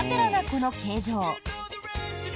この形状。